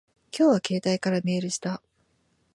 今夜は携帯からメールした。